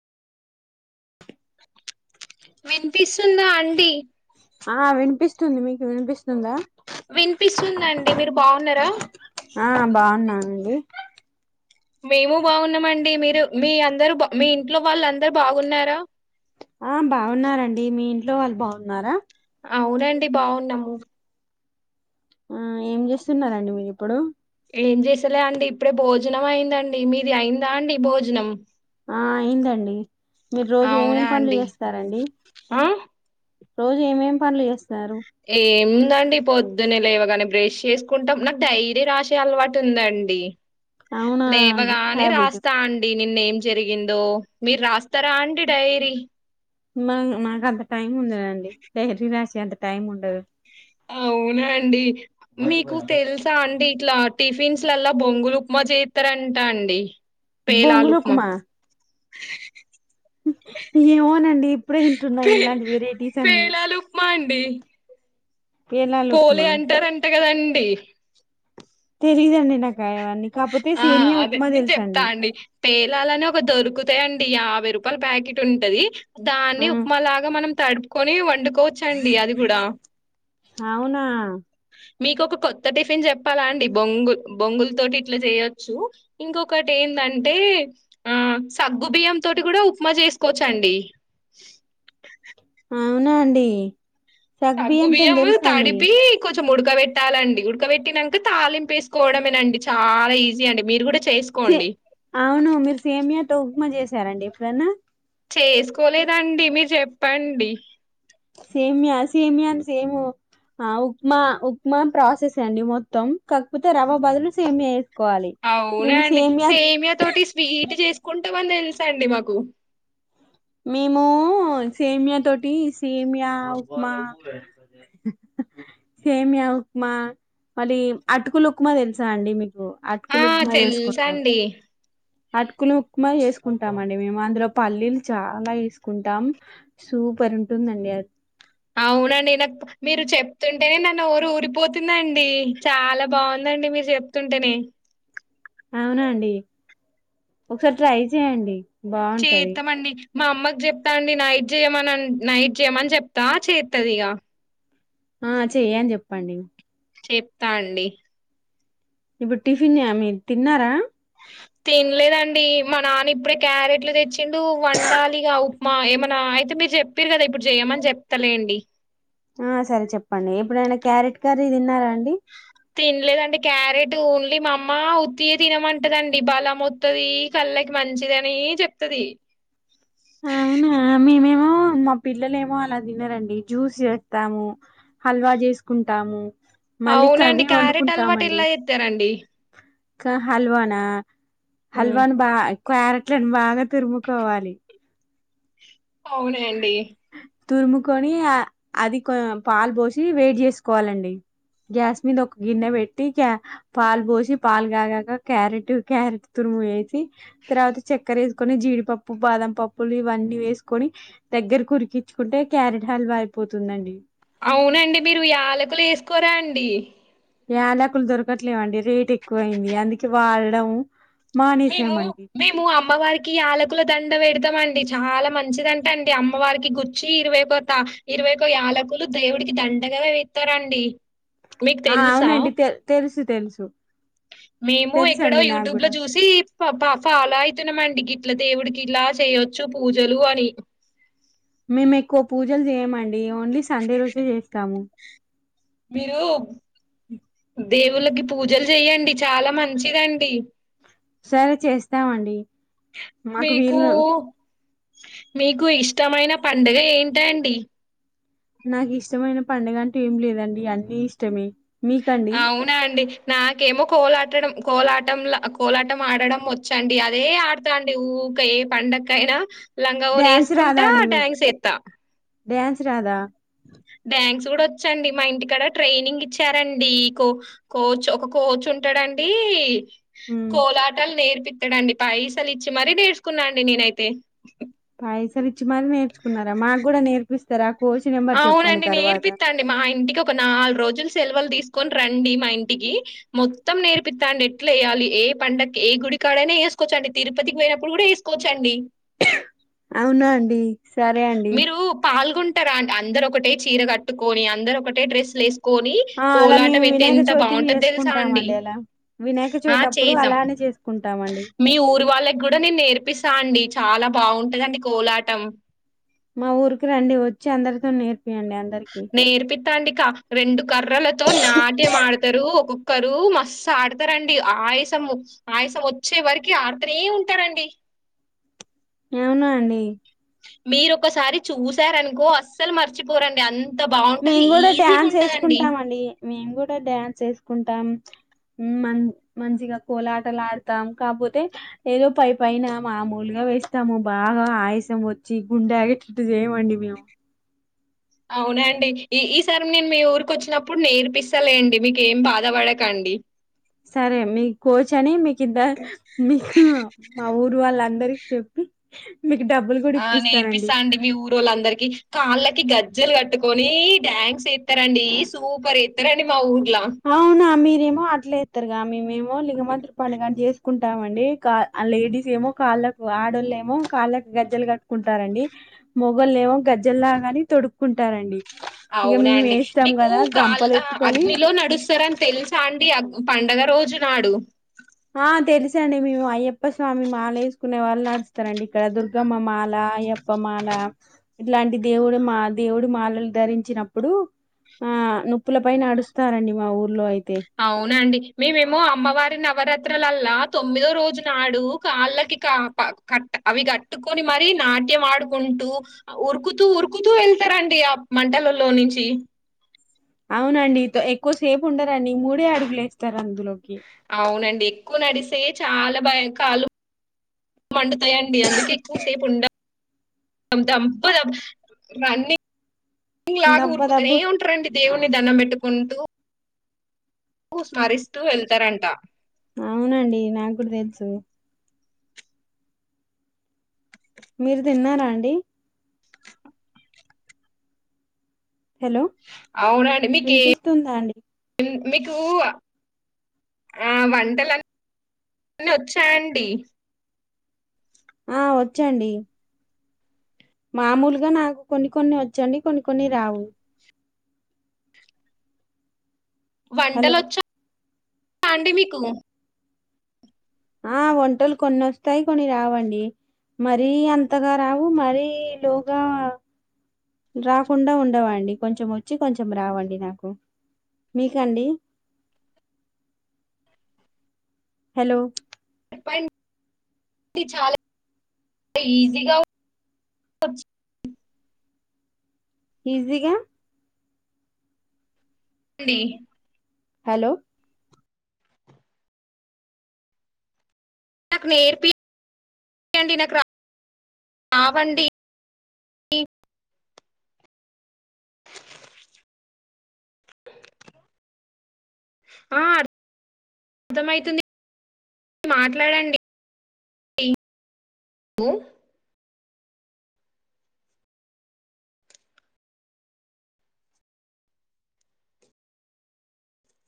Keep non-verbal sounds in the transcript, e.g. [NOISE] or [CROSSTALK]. వినిపిస్తుందా అండి ఆ వినిపిస్తుంది మీకు వినిపిస్తుందా వినిపిస్తుందా అండి మీరు బాగున్నారా అడి మేము బాగున్నామండి మీరు మీ అందరుా మీ ఇంట్లో వాళ్ళు అందరు బాగున్నారా ఆ బాగున్నారంండి మీ ఇంట్లో వాళ్ళు బాగున్నారా అవునండి బాగున్నాము ఆ ఏం చేస్తున్నారంండి మీరు ఇప్పుడు ఏం చేసేలే అంటే ఇప్పుడే భోజనం అయిందండి మీది అయిందా అండి భోజనం ఆ అయిందండి మీరు రోజు అవునా ఏమేమి పనులు అండి చేస్తారండి ఆ రోజు ఏమేం పనులు చేస్తాం ఏం ందండి పొద్దునే లేవగాని బ్రష్ చేసుకుంటాం నాకు ధైర్యం రాసే అలవాటు ఉందండి అవునా గుడ్ లేవగానే హ్యాబిట్ రాస్తా అండి నిన్న ఏం జరిగిందో మీరు రాస్తారా అండి డైరీ మా మాకు అంత టైం ఉండదండి ైర్రీ రాసి అంత టైం ఉండదు అవునండి మీకు తెలుసా అండి ఇట్లా టిఫిన్స్ లల్లా బొంగులు ఉప్మా చేత్తరంటా అండి పేలాలు బంగలు ఉప్మా. కుమా అ ఏమోనండి ఇప్పుడే వింటున్నాయి పే ఇలాంటి వెరైటీస్ అన్నిీ పేలాలు పోలి అంటారంట కదండి తెలీదుండి నాకుయవన్ని కాకపోతే సేమియా ఉప్మా తెలుసండి పేలలుని ఒక దొరుకుతాయంండి యాభై రూపాయల ప్యాకెట్ ఉంటది దాన్ని ఉప్మాలాగా మనం తడుపుకొని వండుకోవచ్చండి అది కూడా అవునా మీకు ఒక కొత్త టిఫిన్ చెప్పాలా అండి బొంగుల్ బొంగుల్ త టిఫ చేయచ్చు ఇంకటి ఏంటే బియ ఉ చే తీసుకోొచ్చండి అవునా అండి సగ్బియ్యంతోని సగ్గుబియ్యము తెలుసా అండి తడిపీ కొ కొంచెం ఉడక వెట్టాలండి, ఉడకవెట్టినంక తాలింపు ఏసుకోవడమేనండి చాలా ఈజీ అండి మీరు గూడా. అవును మీరు సేమియాతో ఉప్మా జేసారా అండి ఎప్పుడన్నా. చేసుకోలేదండి మీరు జెప్పండి సేమియా సేమియాని సేము ఆ ఉప్మా ఉప్మా ప్రాసెసే అండి మొత్తం, కాకపోతే రవ్వ బదులు సేమ్య్. అవునండి సేమియా తోటి స్వీట్ చేసి కుంటం అని దెలుసండి మాకు మేమూ సేమియా తోటీ సేమియా ఉప్మా. సేమియా ఉక్మా మళీ అటుకులు ఉక్మా దెలుసా అండి మీ గు ఆ అటుకులు ఉక్మా ఏసుకుంటాం తెలుసండి అటుకులు ఉక్మా ఏసుకుంటామండి మేము అందులో పల్లీలు చాలా ఏసుకుంటాం సూ. ఊపర్ ఉంటుందండి అది అవునండి నాకు మీరు చెప్తుంటేనే నా నోరు ఊరిపోతుందండీ, చాలా బాగుంద. అండి మీరు జెప్తుంటేనే అవునా అండి ఒకసారి ట్రై చేయండి బాగుంటది చేత్తమండి మా అమ్మకి చెప్తా అండి నైట్ జేయమనన్ నైట్ చేయమని చెప్తా చేత్తది ఇగ. ఆ చెయ్ అని చెప్పండి చెప్తా అండి ఇప్పుడు టిఫిన్ యా మీ తిన్నారా తిన్లేదండీ మా నాన్న ఇప్పుడే క్యారెట్లు దెచ్చిండూ, వండాలిగా ఉప్మా ఏమనా. అయితే మీరు చెప్పిరు గదా ఇప్పుడు జేయమని చెప్తలేండి. ఆ సరే చెప్పండి ఎప్పుడైనా క్యారెట్ కర్రీ దిన్నారా అండి తిన్లేదండి క్యారెట్ ఓన్లీ మా అమ్మ ఉత్తియ తినమంటదండి బలమొత్తదీ కళ్ళక్. మంచిది అనీ చెప్తది ఆహా మేమేమో మా పిల్లలేమో అలా దినరండి జ్యూస్ ఏత్తాము, హల్వా జేసుకుంటాము. మళ్ళి అవునండి కర్రీ క్యారెట్ అలవాటు ఒండుకుంటామండి ఎలా జేత్తరండి? క హల్వానా హ్మ్. హల్వాను బా క్వ్యారెట్లలను బాగా తురుముకోవాలి అవునండి తురుముకొనీ, అ అది కొ పాలు బోసీ, వేడ్ జేసుకోవాలండి. గ్యాస్ మీద ఒక గిన్నె వెట్టి క్య పాల్ బోసి పాల్ గాగాక క్యారెట్ క్యారెట్ తుర్. వేసి తరవాత చక్కరేసుకొని,, జీడిపప్పు, బాదాంపప్పులు, ఇవన్ని వేసుకొని దగ్. గెర్ కురికిచ్చుకుంటే క్యారట్ హల్వా అయిపోతుందండి. అవునండి మీరు యాలకులు ఏసుకోరా అండి యాలకులు దొరకట్లేవండి రేట్ ఎక్కువయింది అందుకే వాళడం మేమూ మేము అమ్మవారికి యాలకుల దండ వెడి టమండి చాలా మంచిదంట అండి అమ్మవారికి కుచ్చీ ఇరవై పోతా ఇరవైకో యాలకులు దేవుడి. కి దండగవే వేత్తరండి ఆ అవునండి తె తెలుసు తెలుసు మేమూ ఎక్కడో తెలుసండి నాకు యూట్యూబ్ లో కూడా చూసీ ఫ పా ఫాలో అయితున్నమండి, ఇట్ల దేవుడికి ఇలా చేయొచ్చు పూజలు అని. మేము ఎక్కువ పూజలు జేయమండి, ఓన్లీ సండే రోజే ఏస్తాము. మీరూ దేవుళ్ళకి పూజలు జేయండి చాలా మంచిదండి సరే చేస్తామండి మాకు మీకూ వీలు మీకు ఇష్టమైన పండగ ఏంటండి నాకు ఇష్టమైన పండుగ అంటే ఏమి లేదండి అన్నీ ఇష్టమే మీకండి అవునా అండి నాకేమో కోలాటడం కోలాటం లా కోలాటం ఆడడం వచ్చండి అదే ఆడతాండి ఊ కూఊకాయ పండక అయినా లంగా ని డ్యాన్స్ రాదా వేసుకుంటా అండి మీకు డ్యాంస్ వేస్తా డ్యాన్స్ రాద డ్యాన్క్స్ కూడా వచ్చండి మా ఇంటికాడ ట్రైనింగ్ ఇచ్చారండి కో కోచ్ ఒక కోచ్ ఉంటాడండి ఉమ్ కోలాటాలు నేర్పిస్తాడండి పైసలు ఇచ్చి మరీ నేర్చుకున్నాండి నేనైతే పైసలు ఇచ్చి మర నేర్చుకున్నారా మాకు కూడా నేర్పిస్తారా కోచ్ నెంబర్ చెప్పండి అవునండి తర్వాత నేర్పిస్తా అండి మా ఇంటికి ఒక నాలుగు రోజులు సెలవలు తీసుకొని రండి మా ఇంటికి మొత్తం నేర్పిస్తా ఎట్లు వేయాలి ఏ పండకి ఏ గుడి ఇడి కాడనేేసుకోవచ్చండి తరుతికి పోనప్పుడు కూడా వసుకోవచ్చండి అవునా అండి సరే అండి మీరు పాల్గొంటారా అంట అందరు ఒకటే చీర కట్టుకొని అందరు ఒకటే డ్రెస్లు వసు కొని ఆ అలా కోలాటం మేము అయితే వినాయక ఎంత చవితికి బాగుంటందో తెలుసా అండి చేసుకుంటామండి అలా వినాయక ఆ చవితి అప్పుడు చేద్దాం అలానే చేసుకుంటామండి మీ ఊరు వాళ్ళకి కూడా నేను నేర్పిస్తా అండి చాలా బాగుంటదండి కోలాటం మా ఊరికి రండి వచ్చి అందరితో నేర్పియంండి అందరికి తంకా రెండు కర్రలతో నాట్యమాడతారు ఒక ఒక్కరు మస్ ఆడతారండి ఆయసము ఆయసం వచ్చే వరకి ఆడుతనే ఉంటారండి అవునా అండి మీరు ఒకసారి చూసారనుకో అస్సలు మర్చిపోరండి అ మేము కూడా డ్యాన్స్ వేసుకుంటాం అండి మేము కూడా డ్యాన్స్ వేసుకుంటాం మ మంచిగా కోలాటలు ఆడతాం కాకపోతే ఏదో పై పనా మామూలుగా స్తాము బాగా ఆయసం వచ్చి గుండె ఆగేటట్టు చేయమండి మేము అవునండి ఈ ఈసారి నేను మీ ఊరికి వచ్చినప్పుడు నేర్పిస్తాలే అండి మీకేం బాధపడకండి అండి సరే మీ కోచ్ అని మీకుద్ద మీకు మా ఊరు వాళ్ళందరి చెపి ఆ నేర్పిస్తా అండి మీ ఊరు వాళ్ళ అందరికిీ కాళ్ళ గజ్జలు కట్టుకొని డ్యాన్స్ ఎస్తారండి సూపర్ ఎస్తారండి మా ఊరు అవును అ ఏమో అట్లే ఇస్తారుగా మేమేమో లిగమంత్రి పండుగ అని చేసుకుంటామం లేడీస్ ఏమో కా ళ్ ఆడళ ఏమో కాళ్ళకు గజ్జలు కట్టుకుంటారంండి మొగల్ ఏమో గజ్జెలులాగాని తొడు కుంటారండి అవునాండి మీకు కాల్ గంపలు ఎత్తుకొని అగ్నిలో నడుస్త సరని తెలుసా అండి పండుగ రోజు నాడు ఆ తెలుస అండి మేము అయ్యప్ప స్వామి మాాల వేసుకునే వాళ్ళు నడుస్తారంండి ఇక్కడ దుర్గమ్మ మాాల అయ్యప్పమాల ఇట్లాంటి దేవుడు మా దేవుడి మాలలు ధరించినప్పుడు ఆ నొప్పుల పైన అడుస్తారండి మా ఊర్లో అయితే అవునండి మేమేమో అమ్మవారిని ఎవర తొమ్మిదో రోజు నాడు కాళ్ళకి క అవి కట్టుకొని మర నాటి వాట్యం ఆడుకుంటూ ఉరుకుతూ ఉరుకుతూ వెళ్తారండి ఆ మంటలలో నుంచి అవునండి ఎక్కువసేపు ఉండరాని మూడే అడుగులు వస్తారు అందులోకి అవునండి ఎక్కువ నడిస్తే చాలా బయంకాలు వండుతాయండి అందుకే ఎక్కువ సేపు ఉండ త ప రన్ని ఇంగ్లాగా దబ్బ ఊరుకుత దబ్బు ఏమింటారంండి దేవుణని దండం పెట్టుకుంటూ స్మరిస్తూ వెళ్తారంట అవునండి నాకు కూడా తెచ్చు మీరు తిన్నారా అండి హలో అవునండి మీకు వినిపిస్తుందా అండి మీకు ఆ వంటలు అన్ని వచ్చా అండి ఆ వచ్చు అండి మామూలుగా నాకు కొన్ని కొన్ని వచ్చండి కొన్ని కొన్ని రావు హలో వంటలొచ్చా అండి మీకు ఆ వంటలు కొన్ని వస్తాయి కొని రావండి మరీ అంతగా రావు మరీ లోగా రాకుండా ఉండవండి కొంచెం వచ్చు కొంచెం రావండి నాకు మీకాండి హలో [INAUDIBLE] ఈజీగా వచ్చు ఈజీగా అండి హలో నాకు నేర్పియండి నాకు రా రావండి అంది ఆ అర్థమైతుంది మాట్లాడండి ము